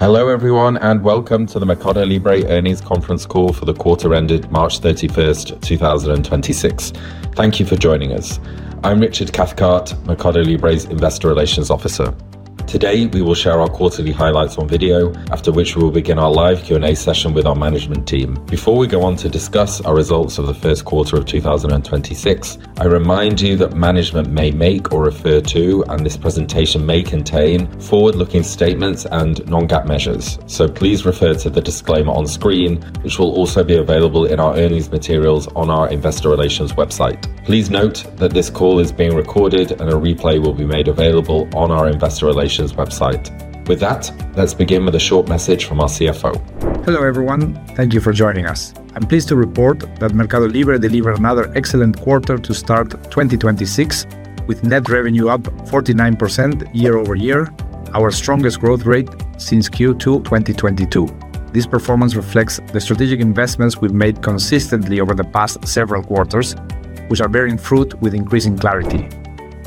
Hello, everyone, welcome to the MercadoLibre earnings conference call for the quarter ended March 31st, 2026. Thank you for joining us. I'm Richard Cathcart, MercadoLibre's Investor Relations Officer. Today, we will share our quarterly highlights on video, after which we will begin our live Q&A session with our management team. Before we go on to discuss our results for the first quarter of 2026, I remind you that management may make or refer to, and this presentation may contain, forward-looking statements and non-GAAP measures. Please refer to the disclaimer on screen, which will also be available in our earnings materials on our Investor Relations website. Please note that this call is being recorded and a replay will be made available on our Investor Relations website. With that, let's begin with a short message from our CFO. Hello, everyone. Thank you for joining us. I'm pleased to report that MercadoLibre delivered another excellent quarter to start 2026, with net revenue up 49% year-over-year, our strongest growth rate since Q2 2022. This performance reflects the strategic investments we've made consistently over the past several quarters, which are bearing fruit with increasing clarity.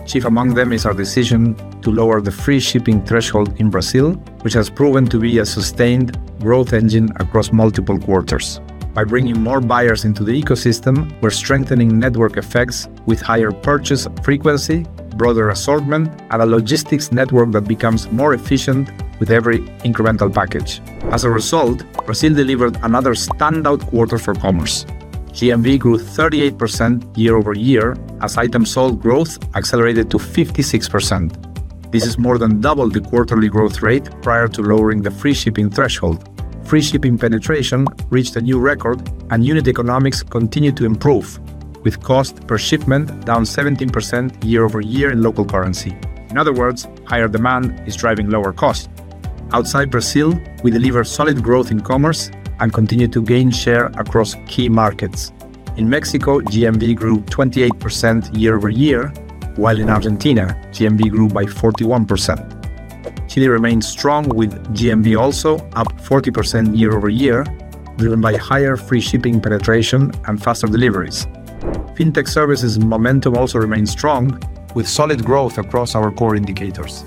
Chief among them is our decision to lower the free shipping threshold in Brazil, which has proven to be a sustained growth engine across multiple quarters. By bringing more buyers into the ecosystem, we're strengthening network effects with higher purchase frequency, broader assortment, and a logistics network that becomes more efficient with every incremental package. As a result, Brazil delivered another standout quarter for commerce. GMV grew 38% year-over-year as items sold growth accelerated to 56%. This is more than double the quarterly growth rate prior to lowering the free shipping threshold. Free shipping penetration reached a new record, and unit economics continued to improve, with cost per shipment down 17% year-over-year in local currency. In other words, higher demand is driving lower cost. Outside Brazil, we delivered solid growth in commerce and continued to gain share across key markets. In Mexico, GMV grew 28% year-over-year, while in Argentina, GMV grew by 41%. Chile remains strong with GMV also up 40% year-over-year, driven by higher free shipping penetration and faster deliveries. Fintech services momentum also remains strong, with solid growth across our core indicators.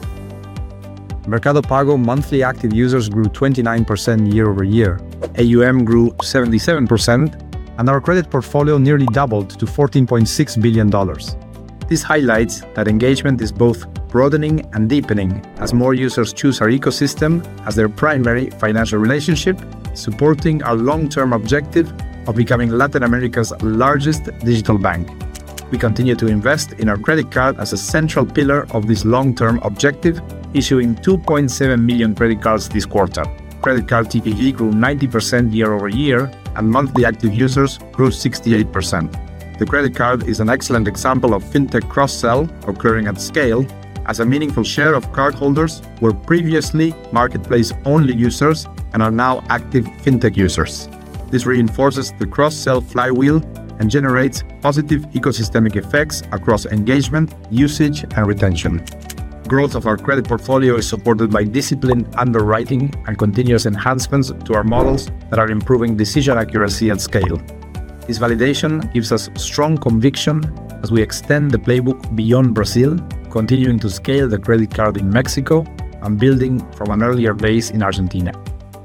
Mercado Pago monthly active users grew 29% year-over-year. AUM grew 77%, and our credit portfolio nearly doubled to $14.6 billion. This highlights that engagement is both broadening and deepening as more users choose our ecosystem as their primary financial relationship, supporting our long-term objective of becoming Latin America's largest digital bank. We continue to invest in our credit card as a central pillar of this long-term objective, issuing 2.7 million credit cards this quarter. Credit card TPV grew 90% year-over-year, and monthly active users grew 68%. The credit card is an excellent example of fintech cross-sell occurring at scale as a meaningful share of cardholders were previously marketplace-only users and are now active fintech users. This reinforces the cross-sell flywheel and generates positive ecosystemic effects across engagement, usage, and retention. Growth of our credit portfolio is supported by disciplined underwriting and continuous enhancements to our models that are improving decision accuracy at scale. This validation gives us strong conviction as we extend the playbook beyond Brazil, continuing to scale the credit card in Mexico and building from an earlier base in Argentina.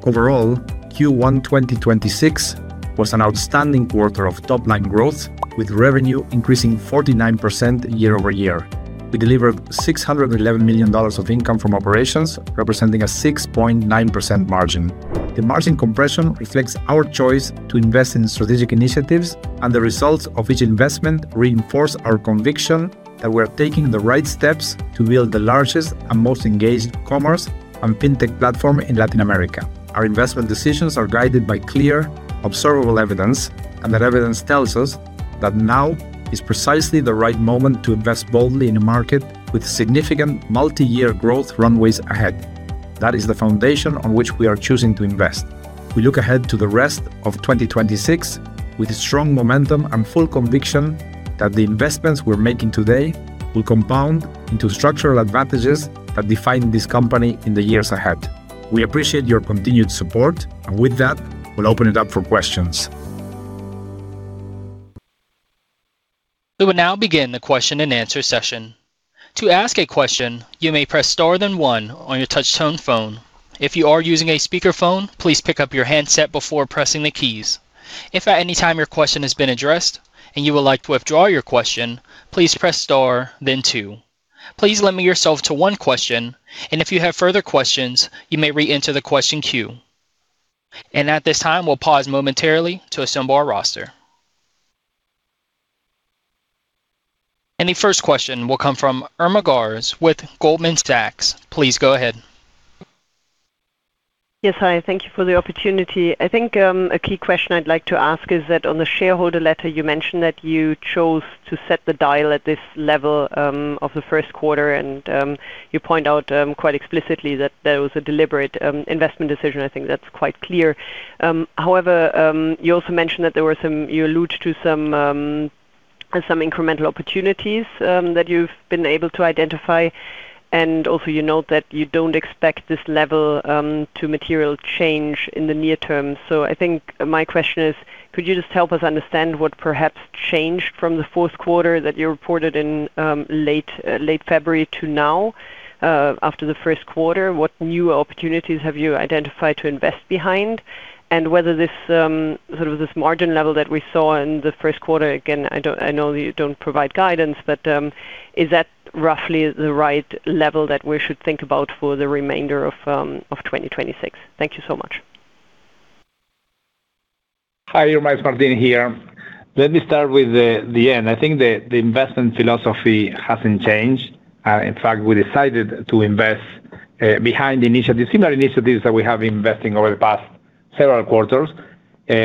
Overall, Q1 2026 was an outstanding quarter of top-line growth, with revenue increasing 49% year-over-year. We delivered $611 million of income from operations, representing a 6.9% margin. The margin compression reflects our choice to invest in strategic initiatives, and the results of each investment reinforce our conviction that we're taking the right steps to build the largest and most engaged commerce and fintech platform in Latin America. Our investment decisions are guided by clear, observable evidence, and that evidence tells us that now is precisely the right moment to invest boldly in a market with significant multi-year growth runways ahead. That is the foundation on which we are choosing to invest. We look ahead to the rest of 2026 with strong momentum and full conviction that the investments we're making today will compound into structural advantages that define this company in the years ahead. We appreciate your continued support, and with that, we'll open it up for questions. We will now begin the question and answer session. To ask a question, you may press star then one on your touchtone phone. If you are using a speakerphone, please pick up your handset before pressing the keys. If at any time your question has been addressed and you would like to withdraw your question, please press star then two. Please limit yourself to one question, and if you have further questions, you may re-enter the question queue. At this time, we'll pause momentarily to assemble our roster. The first question will come from Irma Sgarz with Goldman Sachs. Please go ahead. Yes. Hi, thank you for the opportunity. I think a key question I'd like to ask is that on the shareholder letter you mentioned that you chose to set the dial at this level of the first quarter, and you point out quite explicitly that that was a deliberate investment decision. I think that's quite clear. However, you also mentioned that you allude to some incremental opportunities that you've been able to identify. Also you note that you don't expect this level to material change in the near term. I think my question is, could you just help us understand what perhaps changed from the fourth quarter that you reported in late February to now after the first quarter? What new opportunities have you identified to invest behind? Whether this, sort of this margin level that we saw in the first quarter, again, I know that you don't provide guidance, but, is that roughly the right level that we should think about for the remainder of 2026? Thank you so much. Hi, Irma. It's Martin here. Let me start with the end. I think the investment philosophy hasn't changed. In fact, we decided to invest behind the initiative, similar initiatives that we have been investing over the past several quarters.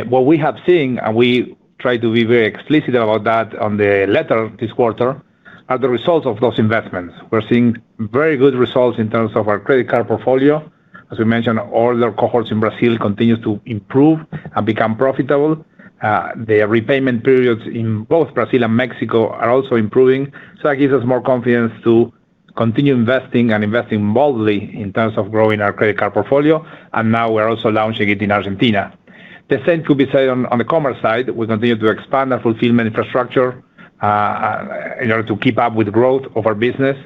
What we have seen, and we try to be very explicit about that on the letter this quarter, are the results of those investments. We're seeing very good results in terms of our credit card portfolio. As we mentioned, all the cohorts in Brazil continues to improve and become profitable. The repayment periods in both Brazil and Mexico are also improving. That gives us more confidence to continue investing and investing boldly in terms of growing our credit card portfolio, and now we're also launching it in Argentina. The same could be said on the commerce side. We continue to expand our fulfillment infrastructure in order to keep up with growth of our business.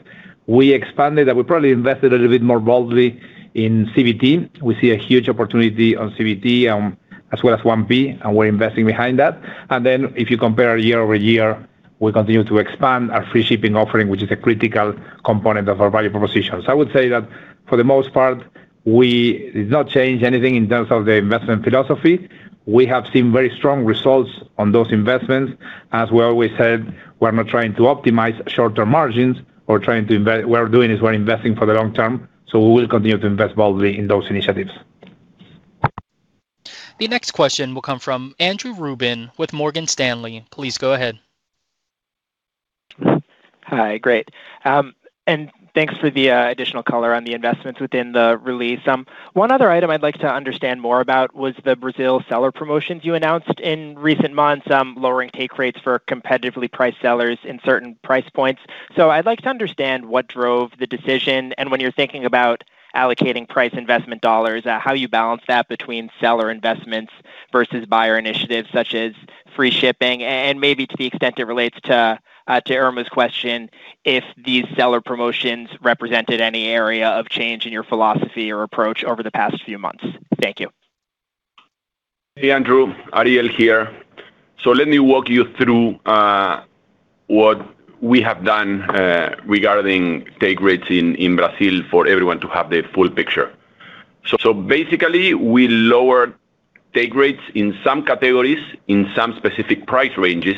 We expanded and we probably invested a little bit more boldly in CBT. We see a huge opportunity on CBT, as well as 1P, and we're investing behind that. Then if you compare year-over-year, we continue to expand our free shipping offering, which is a critical component of our value proposition. I would say that for the most part, we did not change anything in terms of the investment philosophy. We have seen very strong results on those investments. As we always said, we're not trying to optimize short-term margins. What we're doing is we're investing for the long term, we will continue to invest boldly in those initiatives. The next question will come from Andrew Ruben with Morgan Stanley. Please go ahead. Hi. Great. Thanks for the additional color on the investments within the release. One other item I'd like to understand more about was the Brazil seller promotions you announced in recent months, lowering take rates for competitively priced sellers in certain price points. I'd like to understand what drove the decision and when you're thinking about allocating price investment dollars, how you balance that between seller investments versus buyer initiatives such as free shipping and maybe to the extent it relates to Irma's question, if these seller promotions represented any area of change in your philosophy or approach over the past few months. Thank you. Hey, Andrew. Ariel here. Let me walk you through what we have done regarding take rates in Brazil for everyone to have the full picture. Basically, we lowered take rates in some categories, in some specific price ranges.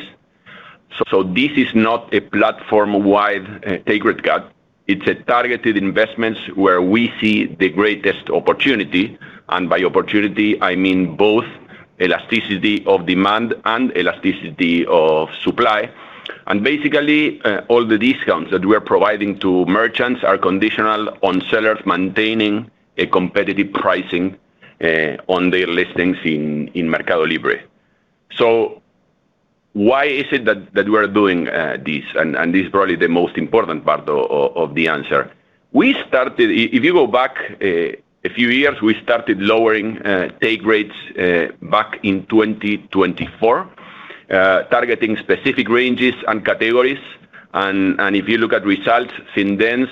This is not a platform-wide take rate cut. It's a targeted investments where we see the greatest opportunity, and by opportunity, I mean both elasticity of demand and elasticity of supply. Basically, all the discounts that we're providing to merchants are conditional on sellers maintaining a competitive pricing on their listings in MercadoLibre. Why is it that we're doing this? This is probably the most important part of the answer. If you go back, a few years, we started lowering take rates back in 2024, targeting specific ranges and categories. If you look at results since then,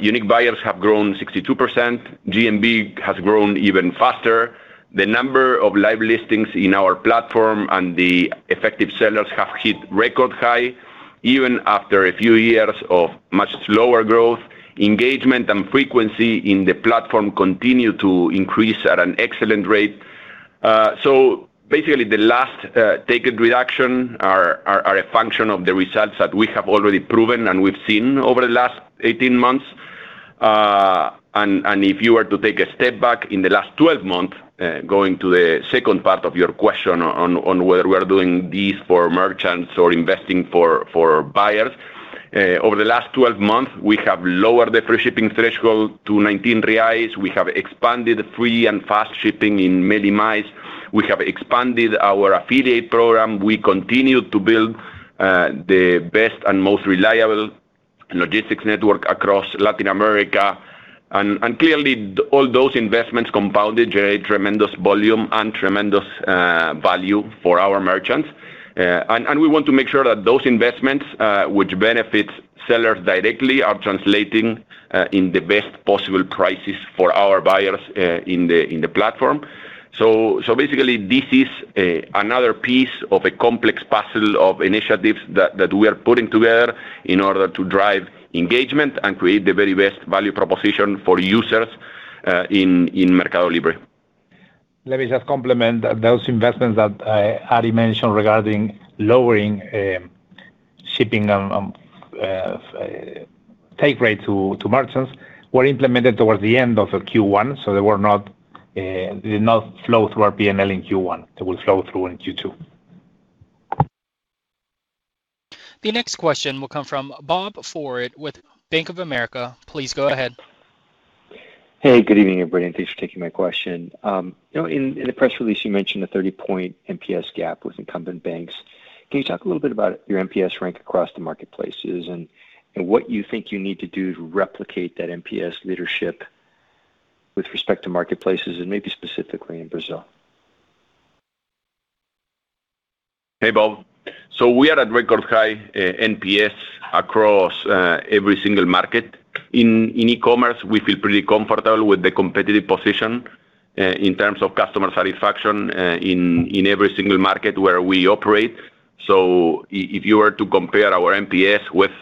unique buyers have grown 62%. GMV has grown even faster. The number of live listings in our platform and the effective sellers have hit record high even after a few years of much slower growth. Engagement and frequency in the platform continue to increase at an excellent rate. Basically, the last take rate reduction are a function of the results that we have already proven and we've seen over the last 18 months. If you were to take a step back in the last 12 months, going to the second part of your question on whether we are doing this for merchants or investing for buyers. Over the last 12 months, we have lowered the free shipping threshold to 19 reais. We have expanded free and fast shipping in Meli+. We have expanded our affiliate program. We continue to build the best and most reliable logistics network across Latin America. Clearly, all those investments compounded generate tremendous volume and tremendous value for our merchants. We want to make sure that those investments, which benefit sellers directly, are translating in the best possible prices for our buyers in the platform. Basically, this is another piece of a complex puzzle of initiatives that we are putting together in order to drive engagement and create the very best value proposition for users in MercadoLibre. Let me just complement those investments that Ari mentioned regarding lowering shipping take rate to merchants were implemented towards the end of Q1. They did not flow through our P&L in Q1. They will flow through in Q2. The next question will come from Bob Ford with Bank of America. Please go ahead. Hey, good evening, everybody, and thanks for taking my question. You know, in the press release, you mentioned a 30-point NPS gap with incumbent banks. Can you talk a little bit about your NPS rank across the marketplaces and what you think you need to do to replicate that NPS leadership with respect to marketplaces and maybe specifically in Brazil? Hey, Bob. We are at record high NPS across every single market. In e-commerce, we feel pretty comfortable with the competitive position in terms of customer satisfaction in every single market where we operate. If you were to compare our NPS with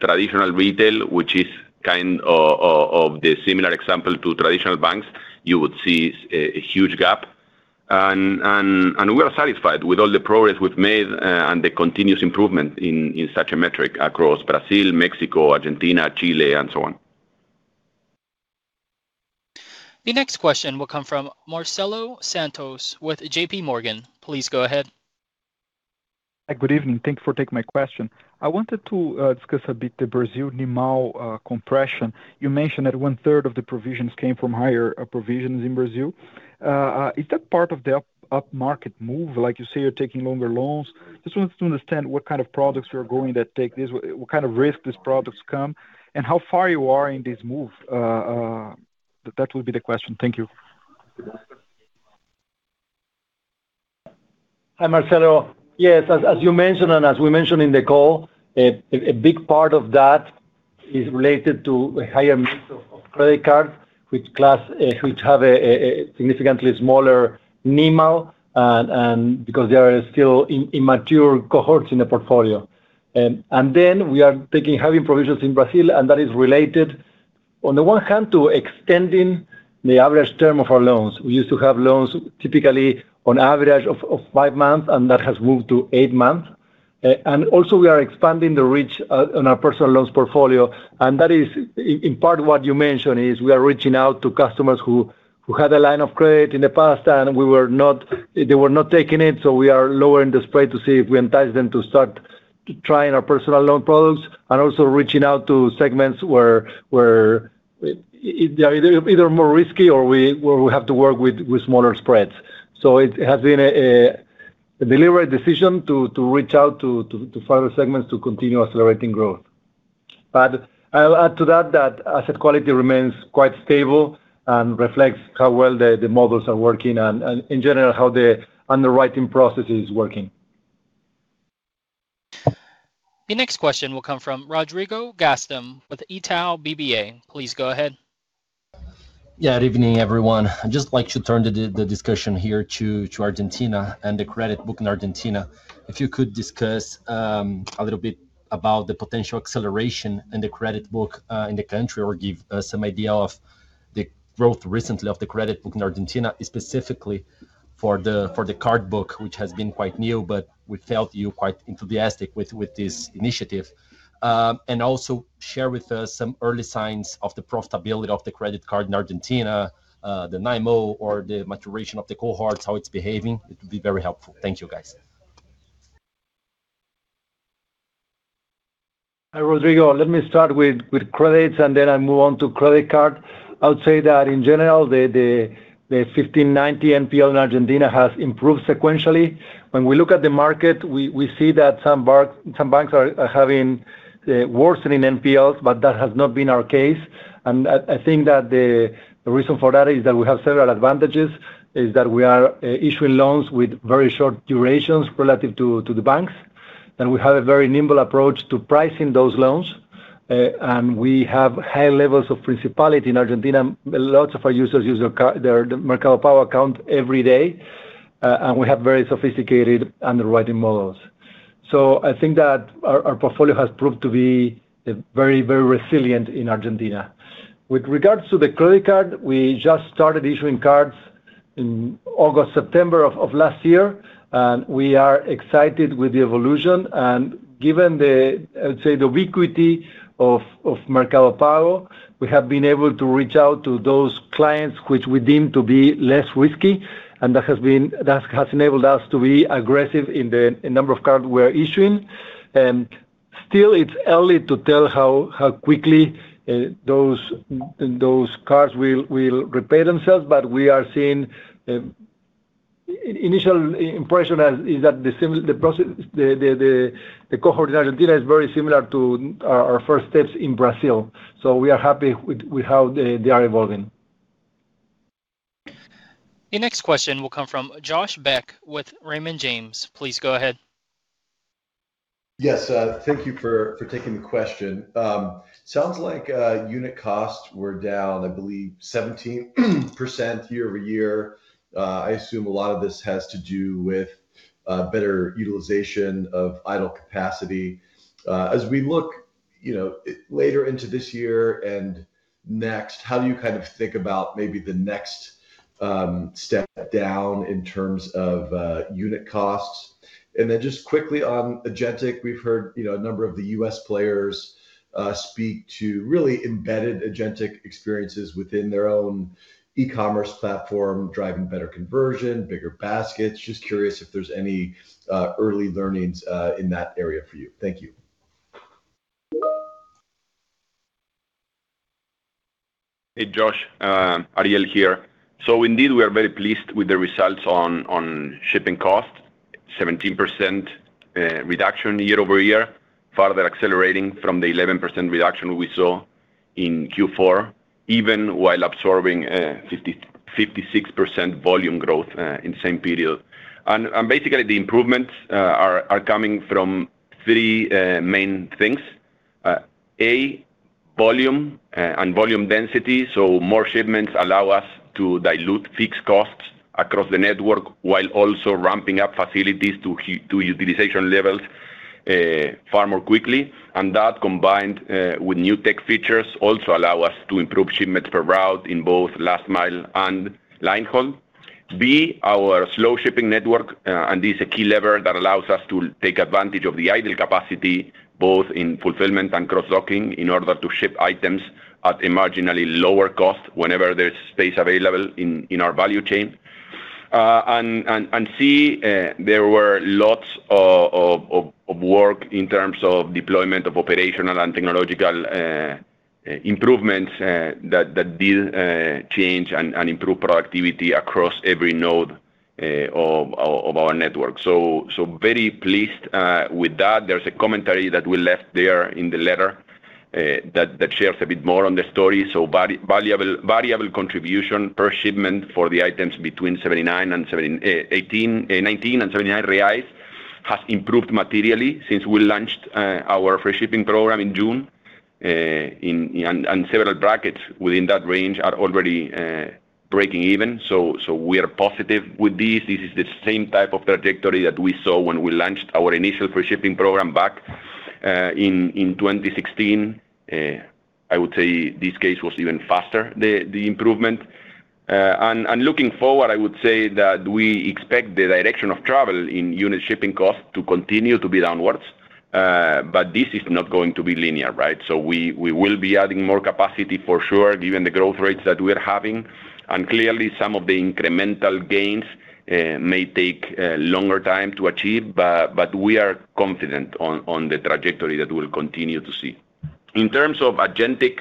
traditional retail, which is kind of the similar example to traditional banks, you would see a huge gap. We are satisfied with all the progress we've made and the continuous improvement in such a metric across Brazil, Mexico, Argentina, Chile, and so on. The next question will come from Marcelo Santos with JPMorgan. Please go ahead. Hi, good evening. Thank you for taking my question. I wanted to discuss a bit the Brazil NIMAL compression. You mentioned that 1/3 of the provisions came from higher provisions in Brazil. Is that part of the up-market move? Like you say, you're taking longer loans. Just wanted to understand what kind of products you are going to take this, what kind of risk these products come, and how far you are in this move. That will be the question. Thank you. Hi, Marcelo. Yes, as you mentioned, and as we mentioned in the call, a big part of that is related to higher mix of credit cards, which have a significantly smaller NIMAL, and because they are still immature cohorts in the portfolio. Then we are taking heavy provisions in Brazil, and that is related, on the one hand, to extending the average term of our loans. We used to have loans typically on average of five months, and that has moved to eight months. Also we are expanding the reach on our personal loans portfolio, and that is in part what you mentioned, is we are reaching out to customers who had a line of credit in the past, they were not taking it, so we are lowering the spread to see if we entice them to start trying our personal loan products. Also reaching out to segments where they are either more risky or we, where we have to work with smaller spreads. It has been a deliberate decision to reach out to further segments to continue accelerating growth. I'll add to that asset quality remains quite stable and reflects how well the models are working and in general, how the underwriting process is working. The next question will come from Rodrigo Gastim with Itaú BBA. Please go ahead. Yeah, good evening, everyone. I'd just like to turn the discussion here to Argentina and the credit book in Argentina. If you could discuss a little bit about the potential acceleration in the credit book in the country, or give some idea of the growth recently of the credit book in Argentina, specifically for the card book, which has been quite new, but we felt you quite enthusiastic with this initiative. And also share with us some early signs of the profitability of the credit card in Argentina, the NIMAL or the maturation of the cohorts, how it's behaving. It would be very helpful. Thank you, guys. Hi, Rodrigo. Let me start with credits, and I move on to credit card. I would say that in general, the 15-90 NPL in Argentina has improved sequentially. When we look at the market, we see that some banks are having worsening NPLs, that has not been our case. I think that the reason for that is that we have several advantages, is that we are issuing loans with very short durations relative to the banks, and we have a very nimble approach to pricing those loans. We have high levels of principality in Argentina. Lots of our users use their Mercado Pago account every day. We have very sophisticated underwriting models. I think that our portfolio has proved to be very resilient in Argentina. With regards to the credit card, we just started issuing cards in August, September of last year, we are excited with the evolution. Given the, I would say, the ubiquity of Mercado Pago, we have been able to reach out to those clients which we deem to be less risky, that has enabled us to be aggressive in the number of cards we are issuing. Still it's early to tell how quickly those cards will repay themselves, we are seeing initial impression as is that the cohort in Argentina is very similar to our first steps in Brazil. We are happy with how they are evolving. The next question will come from Josh Beck with Raymond James. Please go ahead. Yes. Thank you for taking the question. Sounds like unit costs were down, I believe 17% year-over-year. I assume a lot of this has to do with better utilization of idle capacity. As we look, you know, later into this year and next, how do you kind of think about maybe the next step down in terms of unit costs? Just quickly on Agentic, we've heard, you know, a number of the U.S. players speak to really embedded Agentic experiences within their own e-commerce platform, driving better conversion, bigger baskets. Just curious if there's any early learnings in that area for you. Thank you. Hey, Josh, Ariel here. Indeed we are very pleased with the results on shipping costs. 17% reduction year-over-year, farther accelerating from the 11% reduction we saw in Q4, even while absorbing 56% volume growth in the same period. Basically the improvements are coming from three main things. A, volume and volume density, more shipments allow us to dilute fixed costs across the network, while also ramping up facilities to utilization levels far more quickly. That combined with new tech features also allow us to improve shipments per route in both last mile and line haul. B, our slow shipping network, and this a key lever that allows us to take advantage of the idle capacity both in fulfillment and cross-docking, in order to ship items at a marginally lower cost whenever there's space available in our value chain. C, there were lots of work in terms of deployment of operational and technological improvements that did change and improve productivity across every node of our network. Very pleased with that. There's a commentary that we left there in the letter that shares a bit more on the story. Variable contribution per shipment for the items between 19 and 79 reais has improved materially since we launched our free shipping program in June. Several brackets within that range are already breaking even. We are positive with this. This is the same type of trajectory that we saw when we launched our initial free shipping program back in 2016. I would say this case was even faster, the improvement. Looking forward, I would say that we expect the direction of travel in unit shipping costs to continue to be downwards, but this is not going to be linear, right? We will be adding more capacity for sure, given the growth rates that we are having, and clearly some of the incremental gains may take a longer time to achieve. We are confident on the trajectory that we'll continue to see. In terms of Agentic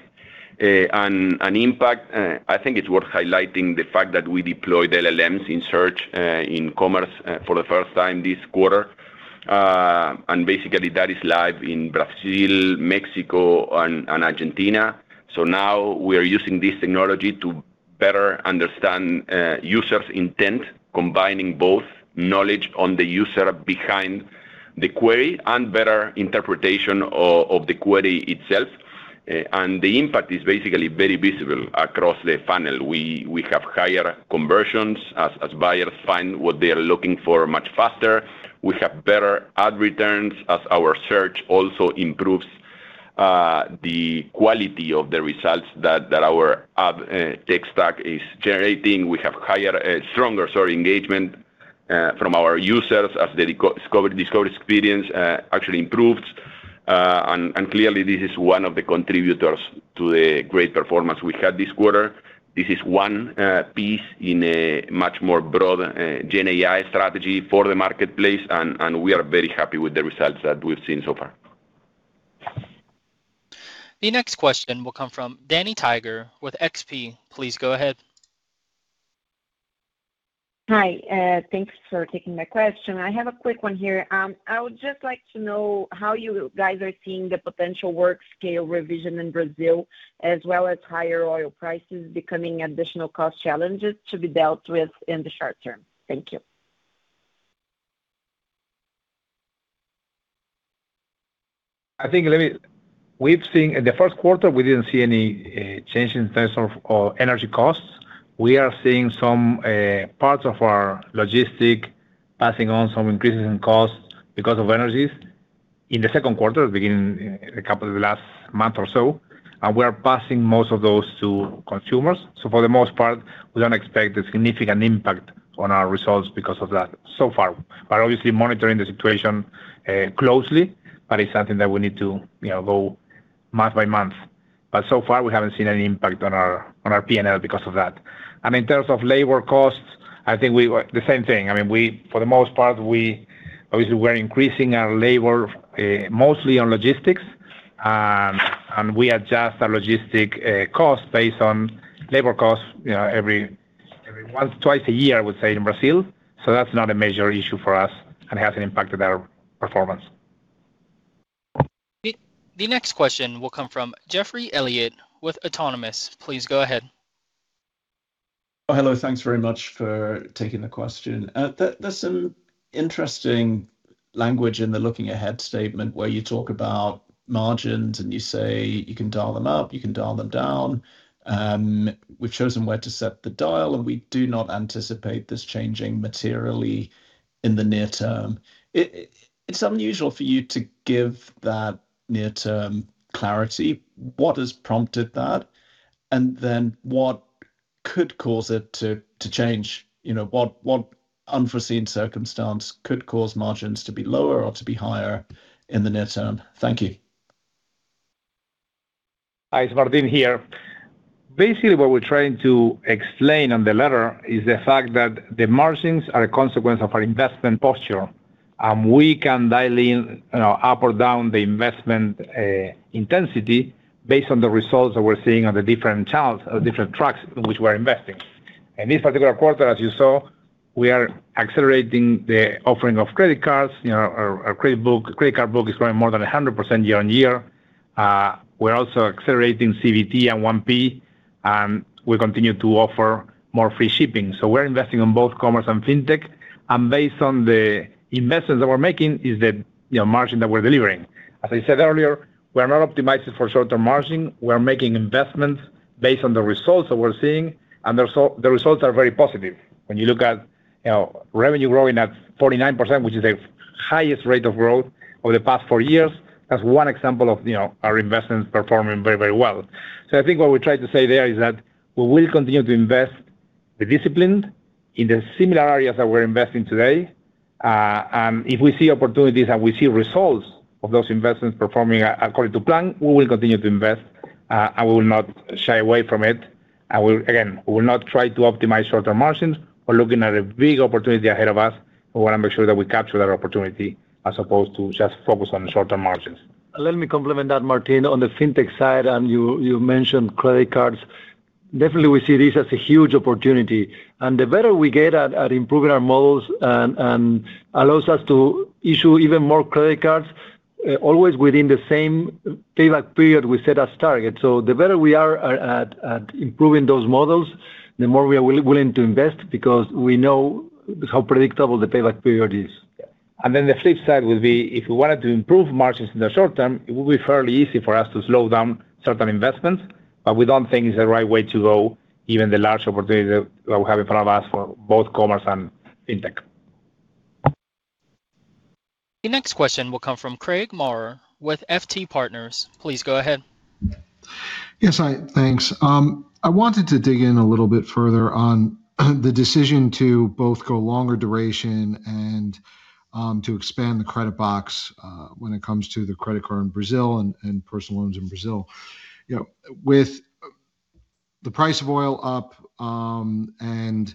and impact, I think it's worth highlighting the fact that we deployed LLMs in Search, in Commerce for the first time this quarter. Basically that is live in Brazil, Mexico and Argentina. Now we are using this technology to better understand users' intent, combining both knowledge on the user behind the query and better interpretation of the query itself. The impact is basically very visible across the funnel. We have higher conversions as buyers find what they are looking for much faster. We have better ad returns as our search also improves the quality of the results that our ad tech stack is generating. We have higher stronger engagement from our users as the discover experience actually improves. Clearly this is one of the contributors to the great performance we had this quarter. This is one piece in a much more broad gen AI strategy for the marketplace, and we are very happy with the results that we've seen so far. The next question will come from Danniela Eiger with XP. Please go ahead. Hi, thanks for taking my question. I have a quick one here. I would just like to know how you guys are seeing the potential work scale revision in Brazil, as well as higher oil prices becoming additional cost challenges to be dealt with in the short term. Thank you. We've seen in the first quarter, we didn't see any change in terms of energy costs. We are seeing some parts of our logistics passing on some increases in cost because of energies. In the second quarter, beginning a couple of the last month or so, we are passing most of those to consumers. For the most part, we don't expect a significant impact on our results because of that so far. Obviously monitoring the situation closely, but it's something that we need to, you know, go month by month. So far, we haven't seen any impact on our P&L because of that. In terms of labor costs, I think we were the same thing. I mean, we for the most part, we obviously were increasing our labor mostly on logistics. We adjust our logistic cost based on labor costs, once, twice a year, I would say, in Brazil. That's not a major issue for us and hasn't impacted our performance. The next question will come from Geoffrey Elliott with Autonomous. Please go ahead. Hello, thanks very much for taking the question. There's some interesting language in the looking ahead statement where you talk about margins and you say you can dial them up, you can dial them down. We've chosen where to set the dial. We do not anticipate this changing materially in the near term. It's unusual for you to give that near-term clarity. What has prompted that? What could cause it to change? You know, what unforeseen circumstance could cause margins to be lower or to be higher in the near term? Thank you. Hi, it's Martin here. Basically, what we're trying to explain on the letter is the fact that the margins are a consequence of our investment posture. We can dial in, you know, up or down the investment intensity based on the results that we're seeing on the different channels, different tracks which we're investing. In this particular quarter, as you saw, we are accelerating the offering of credit cards. You know, our credit book, credit card book is growing more than 100% year on year. We're also accelerating CBT and 1P, and we continue to offer more free shipping. We're investing on both commerce and fintech, and based on the investments that we're making is the, you know, margin that we're delivering. As I said earlier, we are not optimizing for short-term margin. We're making investments based on the results that we're seeing, and the results are very positive. When you look at, you know, revenue growing at 49%, which is the highest rate of growth over the past four years, that's one example of, you know, our investments performing very, very well. I think what we tried to say there is that we will continue to invest the discipline in the similar areas that we're investing today. If we see opportunities and we see results of those investments performing according to plan, we will continue to invest and we will not shy away from it. We'll, again, we will not try to optimize shorter margins. We're looking at a big opportunity ahead of us. We wanna make sure that we capture that opportunity as opposed to just focus on short-term margins. Let me complement that, Martin. On the fintech side, and you mentioned credit cards, definitely we see this as a huge opportunity. The better we get at improving our models and allows us to issue even more credit cards, always within the same payback period we set as target. The better we are at improving those models, the more we are willing to invest because we know how predictable the payback period is. Yeah. The flip side would be if we wanted to improve margins in the short term, it would be fairly easy for us to slow down certain investments, but we don't think it's the right way to go, given the large opportunity that we have in front of us for both commerce and fintech. The next question will come from Craig Maurer with FT Partners. Please go ahead. Yes, hi. Thanks. I wanted to dig in a little bit further on the decision to both go longer duration and to expand the credit box when it comes to the credit card in Brazil and personal loans in Brazil. You know, with the price of oil up, and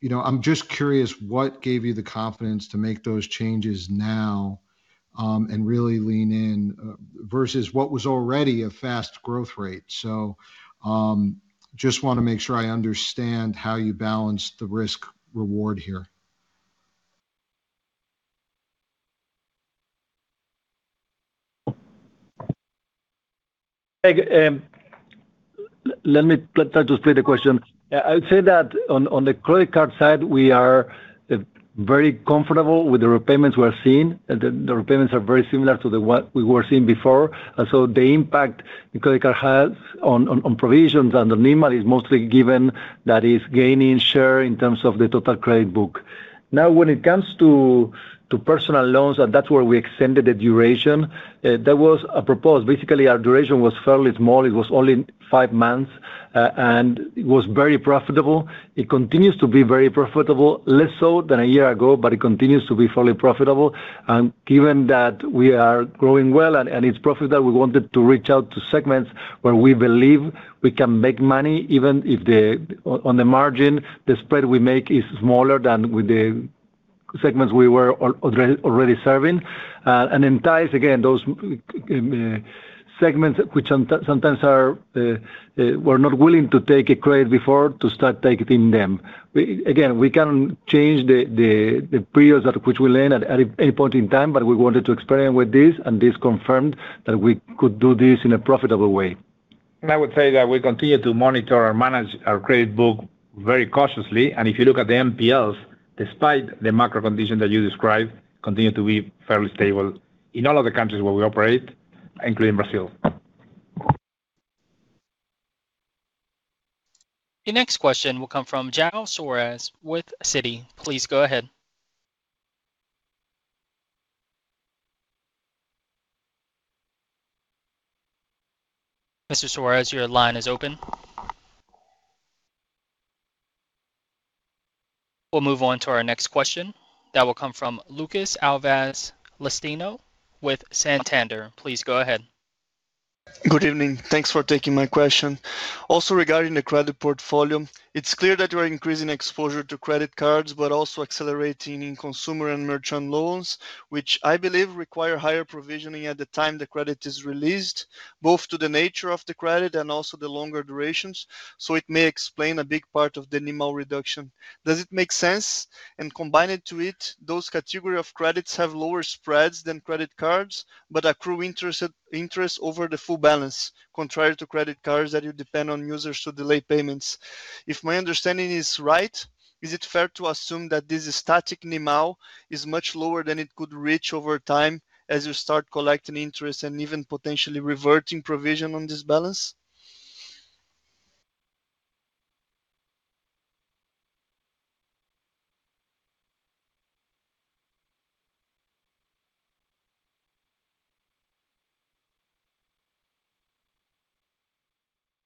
you know, I'm just curious what gave you the confidence to make those changes now, and really lean in versus what was already a fast growth rate. Just wanna make sure I understand how you balance the risk reward here. Craig, let me try to split the question. I would say that on the credit card side, we are very comfortable with the repayments we are seeing. The repayments are very similar to the what we were seeing before. The impact the credit card has on provisions and the NIMAL is mostly given that is gaining share in terms of the total credit book. Now, when it comes to personal loans, and that's where we extended the duration, that was a purpose. Basically, our duration was fairly small. It was only five months, and it was very profitable. It continues to be very profitable, less so than a year ago, but it continues to be fairly profitable. Given that we are growing well and it's profitable, we wanted to reach out to segments where we believe we can make money, even if on the margin, the spread we make is smaller than with the segments we were already serving. And entice, again, those segments which sometimes are not willing to take a credit before to start taking them. Again, we can change the periods at which we lend at any point in time, but we wanted to experiment with this, and this confirmed that we could do this in a profitable way. I would say that we continue to monitor or manage our credit book very cautiously. If you look at the NPLs, despite the macro conditions that you described, continue to be fairly stable in all of the countries where we operate, including Brazil. The next question will come from João Soares with Citi. Please go ahead. Mr. Soares, your line is open. We'll move on to our next question. That will come from [Lucas Alves Lastino] with Santander. Please go ahead. Good evening. Thanks for taking my question. Regarding the credit portfolio, it's clear that you are increasing exposure to credit cards, but also accelerating in consumer and merchant loans, which I believe require higher provisioning at the time the credit is released, both to the nature of the credit and also the longer durations, so it may explain a big part of the NIMAL reduction. Does it make sense? Combined to it, those category of credits have lower spreads than credit cards, but accrue interest over the full balance, contrary to credit cards that you depend on users to delay payments. If my understanding is right, is it fair to assume that this static NIMAL is much lower than it could reach over time as you start collecting interest and even potentially reverting provision on this balance?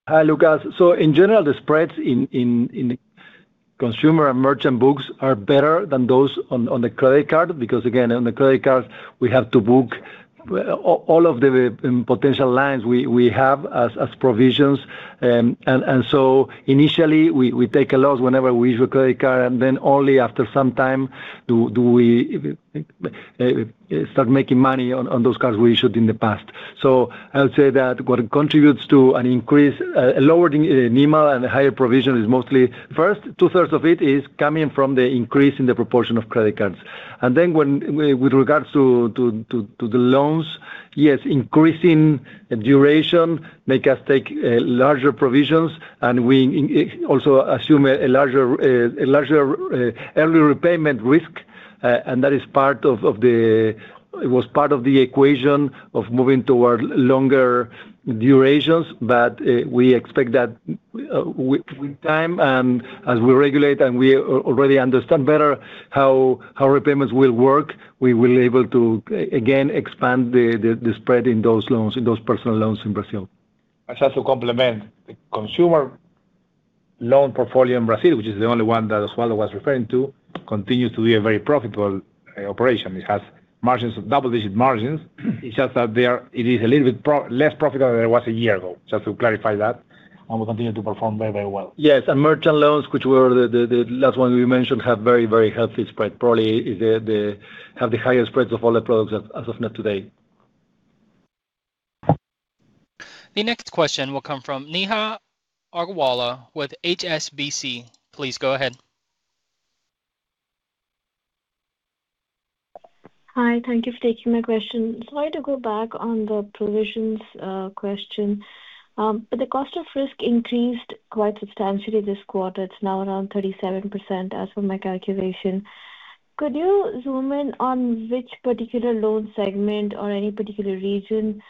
Hi, Lucas. In general, the spreads in consumer and merchant books are better than those on the credit card, because again, on the credit card, we have to Well, all of the potential lines we have as provisions. Initially we take a loss whenever we issue a credit card, and then only after some time do we start making money on those cards we issued in the past. I would say that what contributes to an increase, a lowered NIMAL and a higher provision is mostly, first, two-thirds of it is coming from the increase in the proportion of credit cards. When with regards to the loans, yes, increasing the duration make us take larger provisions, and we also assume a larger early repayment risk, and that is part of the equation of moving toward longer durations. We expect that with time and as we regulate and we already understand better how repayments will work, we will able to again expand the spread in those loans, in those personal loans in Brazil. I just to complement, the consumer loan portfolio in Brazil, which is the only one that Osvaldo was referring to, continues to be a very profitable operation. It has double-digit margins. It is a little bit less profitable than it was a year ago, just to clarify that. We continue to perform very, very well. Yes. Merchant loans, which were the last one we mentioned, have very healthy spread. Probably the highest spreads of all the products as of now today. The next question will come from Neha Agarwala with HSBC. Please go ahead. Hi. Thank you for taking my question. I'd like to go back on the provisions question. The cost of risk increased quite substantially this quarter. It's now around 37% as per my calculation. Could you zoom in on which particular loan segment or any particular region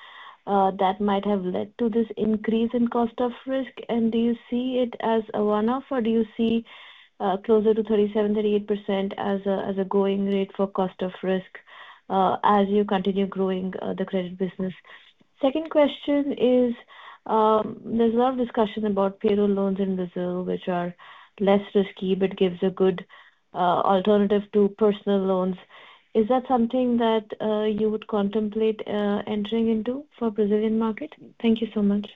that might have led to this increase in cost of risk? Do you see it as a one-off or do you see closer to 37%, 38% as a, as a going rate for cost of risk as you continue growing the credit business? Second question is, there's a lot of discussion about payroll loans in Brazil, which are less risky, but gives a good alternative to personal loans. Is that something that you would contemplate entering into for Brazilian market? Thank you so much.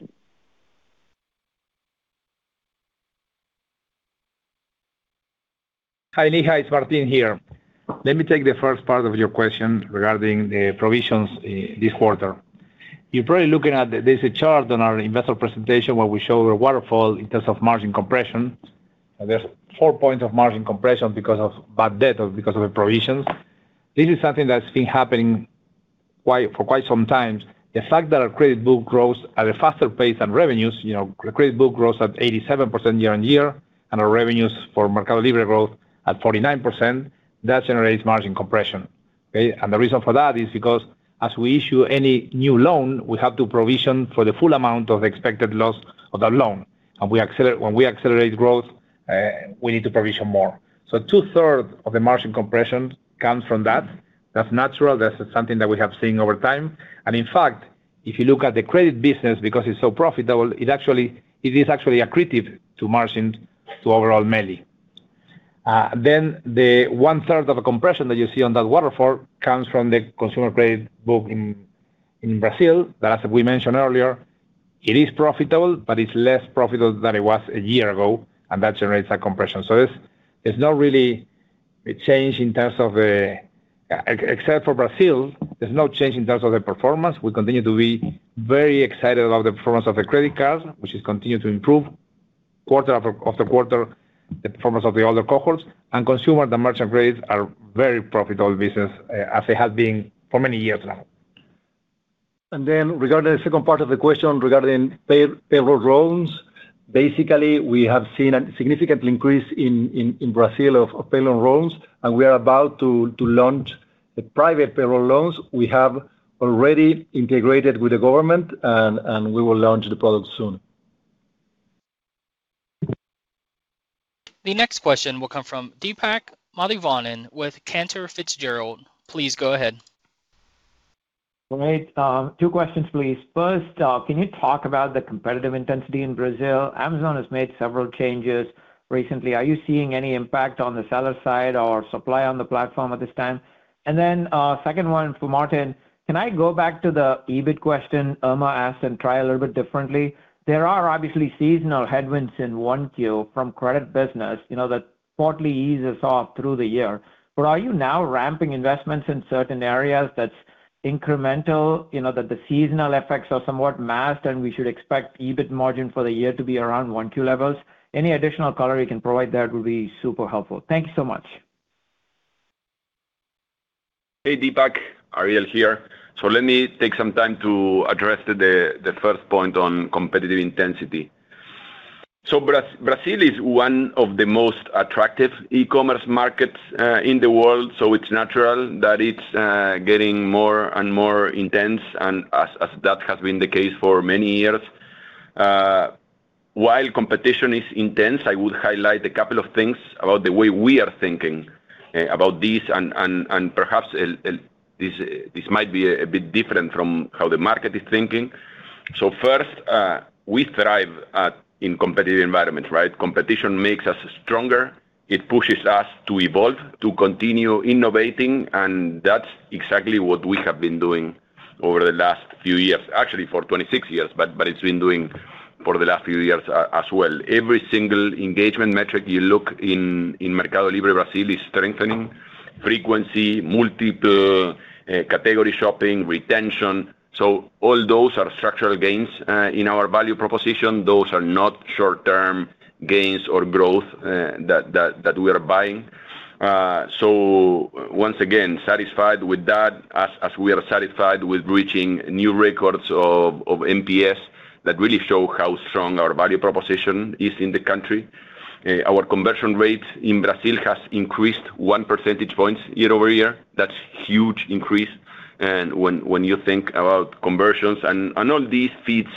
Hi, Neha. It's Martin here. Let me take the first part of your question regarding the provisions this quarter. You're probably looking at there's a chart on our investor presentation where we show a waterfall in terms of margin compression, and there's four points of margin compression because of bad debt or because of the provisions. This is something that's been happening for quite some time. The fact that our credit book grows at a faster pace than revenues, you know, credit book grows at 87% year-over-year, and our revenues for MercadoLibre growth at 49%, that generates margin compression. Okay. The reason for that is because as we issue any new loan, we have to provision for the full amount of expected loss of that loan. When we accelerate growth, we need to provision more. 2/3 of the margin compression comes from that. That's natural. That's something that we have seen over time. In fact, if you look at the credit business, because it's so profitable, it is actually accretive to margins to overall MELI. The 1/3 of a compression that you see on that waterfall comes from the consumer credit book in Brazil that, as we mentioned earlier, it is profitable, but it's less profitable than it was a year ago, and that generates that compression. There's no really a change in terms of, except for Brazil, there's no change in terms of the performance. We continue to be very excited about the performance of the credit cards, which has continued to improve quarter after quarter, the performance of the older cohorts. Consumer and the merchant grades are very profitable business as they have been for many years now. Regarding the second part of the question regarding payroll loans, basically, we have seen a significant increase in Brazil of payroll loans, and we are about to launch the private payroll loans. We have already integrated with the government and we will launch the product soon. The next question will come from Deepak Mathivanan with Cantor Fitzgerald. Please go ahead. Great. Two questions, please. First, can you talk about the competitive intensity in Brazil? Amazon has made several changes recently. Are you seeing any impact on the seller side or supply on the platform at this time? Second one for Martin. Can I go back to the EBIT question Irma asked and try a little bit differently? There are obviously seasonal headwinds in 1Q from credit business, you know, that partly eases off through the year. Are you now ramping investments in certain areas that's incremental, you know, that the seasonal effects are somewhat masked, and we should expect EBIT margin for the year to be around 1Q levels? Any additional color you can provide there would be super helpful. Thank you so much. Hey, Deepak. Ariel here. Let me take some time to address the first point on competitive intensity. Brazil is one of the most attractive e-commerce markets in the world, it's natural that it's getting more and more intense and as that has been the case for many years. While competition is intense, I would highlight a couple of things about the way we are thinking about this and perhaps this might be a bit different from how the market is thinking. First, we thrive in competitive environments, right? Competition makes us stronger. It pushes us to evolve, to continue innovating, that's exactly what we have been doing over the last few years. Actually, for 26 years, it's been doing for the last few years as well. Every single engagement metric you look in MercadoLibre Brazil is strengthening, frequency, multiple, category shopping, retention. All those are structural gains in our value proposition. Those are not short-term gains or growth that we are buying. Once again, satisfied with that as we are satisfied with reaching new records of NPS that really show how strong our value proposition is in the country. Our conversion rate in Brazil has increased 1 percentage point year-over-year. That's huge increase. When you think about conversions, all this feeds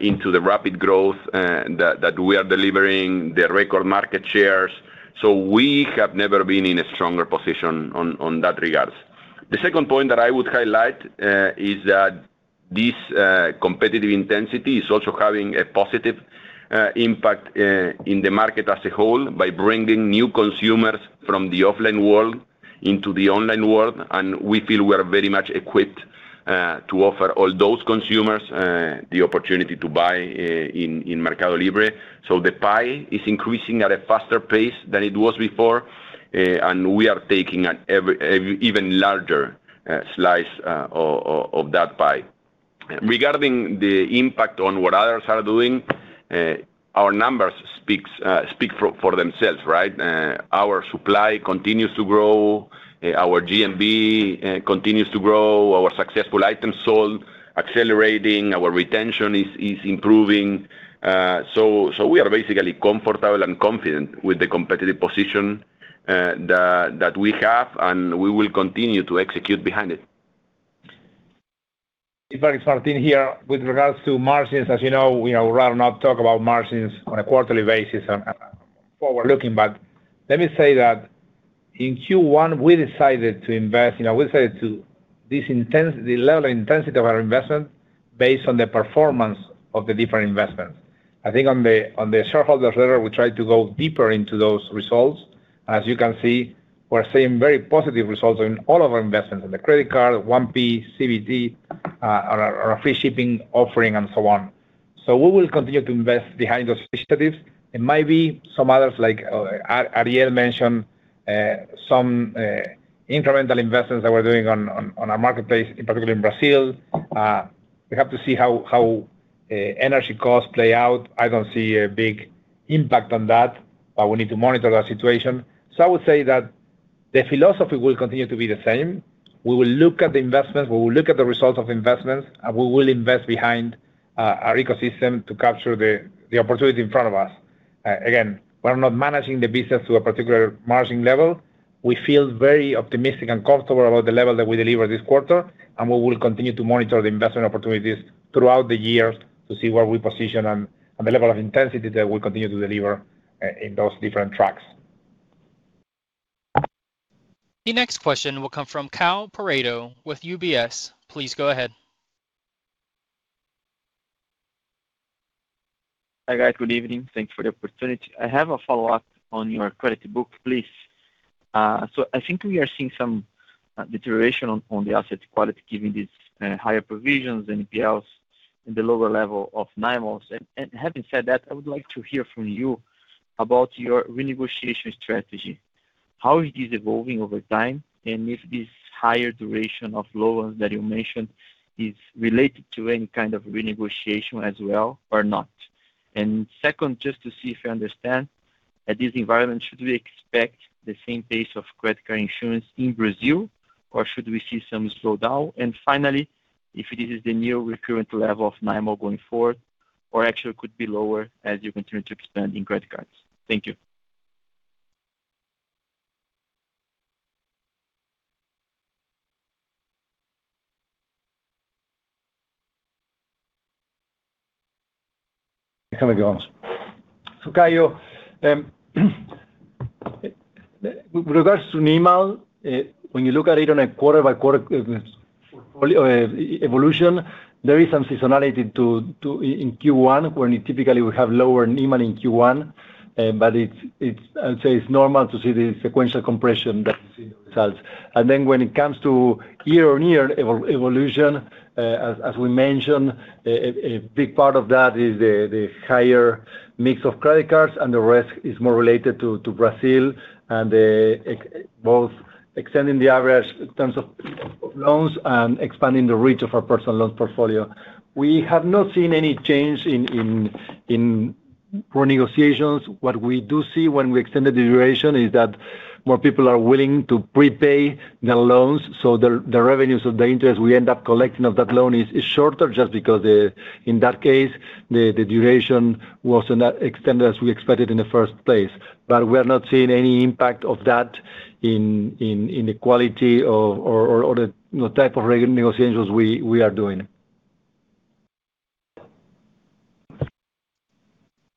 into the rapid growth that we are delivering, the record market shares. We have never been in a stronger position on that regards. The second point that I would highlight is that this competitive intensity is also having a positive impact in the market as a whole by bringing new consumers from the offline world into the online world, and we feel we are very much equipped to offer all those consumers the opportunity to buy in MercadoLibre. The pie is increasing at a faster pace than it was before, and we are taking an even larger slice of that pie. Regarding the impact on what others are doing, our numbers speak for themselves, right? Our supply continues to grow, our GMV continues to grow, our successful items sold accelerating, our retention is improving. We are basically comfortable and confident with the competitive position that we have, and we will continue to execute behind it. If I start in here with regards to margins, as you know, we rather not talk about margins on a quarterly basis and forward-looking. Let me say that in Q1, we decided to invest, you know, the level of intensity of our investment based on the performance of the different investments. I think on the shareholders letter, we tried to go deeper into those results. As you can see, we're seeing very positive results in all of our investments, in the credit card, 1P, CBT, our free shipping offering, and so on. We will continue to invest behind those initiatives. It might be some others, like Ariel mentioned, some incremental investments that we're doing on our marketplace, in particular in Brazil. We have to see how energy costs play out. I don't see a big impact on that. We need to monitor that situation. I would say that the philosophy will continue to be the same. We will look at the investments, we will look at the results of investments, and we will invest behind our ecosystem to capture the opportunity in front of us. Again, we're not managing the business to a particular margin level. We feel very optimistic and comfortable about the level that we deliver this quarter, and we will continue to monitor the investment opportunities throughout the year to see where we position and the level of intensity that we'll continue to deliver in those different tracks. The next question will come from Kaio Prato with UBS. Please go ahead. Hi, guys. Good evening. Thanks for the opportunity. I have a follow-up on your credit book, please. I think we are seeing some deterioration on the asset quality given these higher provisions and NPLs and the lower level of NIMAL. Having said that, I would like to hear from you about your renegotiation strategy, how it is evolving over time, and if this higher duration of loans that you mentioned is related to any kind of renegotiation as well or not. Second, just to see if I understand, at this environment, should we expect the same pace of credit card issuance in Brazil, or should we see some slowdown? Finally, if this is the new recurrent level of NIMAL going forward or actually could be lower as you continue to expand in credit cards. Thank you. Here we go. Kaio, with regards to NIMAL, when you look at it on a quarter-by-quarter evolution, there is some seasonality to in Q1, when typically we have lower NIMAL in Q1, but it's I would say it's normal to see the sequential compression that you see in the results. When it comes to year-on-year evolution, as we mentioned, a big part of that is the higher mix of credit cards, and the rest is more related to Brazil and both extending the average in terms of loans and expanding the reach of our personal loans portfolio. We have not seen any change in renegotiations. What we do see when we extend the duration is that more people are willing to prepay their loans, so the revenues of the interest we end up collecting of that loan is shorter just because in that case, the duration was not extended as we expected in the first place. We are not seeing any impact of that in the quality or the type of renegotiations we are doing.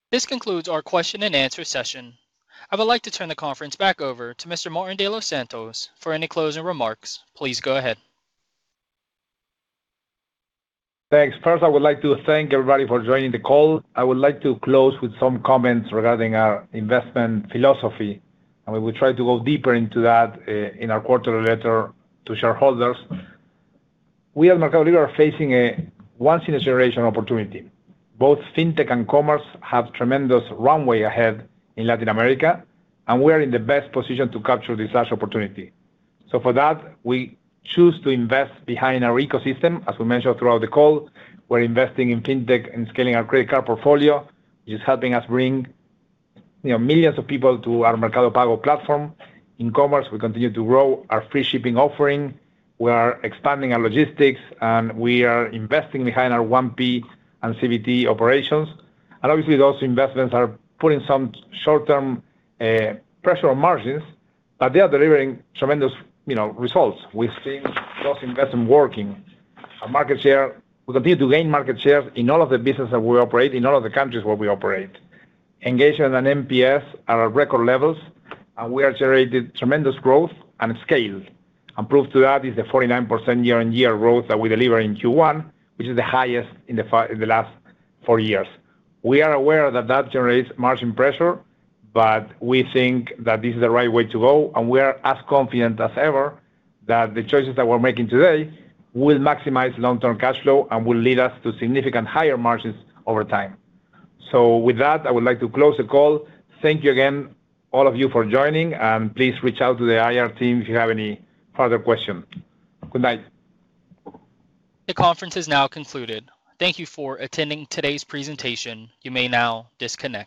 This concludes our question and answer session. I would like to turn the conference back over to Mr. Martin de los Santos for any closing remarks. Please go ahead. Thanks. First, I would like to thank everybody for joining the call. I would like to close with some comments regarding our investment philosophy, and we will try to go deeper into that in our quarterly letter to shareholders. We at MercadoLibre are facing a once in a generation opportunity. Both Fintech and Commerce have tremendous runway ahead in Latin America, and we are in the best position to capture this large opportunity. For that, we choose to invest behind our ecosystem. As we mentioned throughout the call, we're investing in Fintech and scaling our credit card portfolio, which is helping us bring, you know, millions of people to our Mercado Pago platform. In Commerce, we continue to grow our free shipping offering. We are expanding our logistics, and we are investing behind our 1P and CBT operations. Obviously, those investments are putting some short-term pressure on margins. They are delivering tremendous, you know, results. We're seeing those investments working. We continue to gain market share in all of the business that we operate, in all of the countries where we operate. Engagement and NPS are at record levels. We have generated tremendous growth and scale. Proof to that is the 49% year-on-year growth that we deliver in Q1, which is the highest in the last four years. We are aware that that generates margin pressure. We think that this is the right way to go, and we are as confident as ever that the choices that we're making today will maximize long-term cash flow and will lead us to significant higher margins over time. With that, I would like to close the call. Thank you again, all of you for joining. Please reach out to the IR team if you have any further questions. Good night. The conference has now concluded. Thank you for attending today's presentation. You may now disconnect.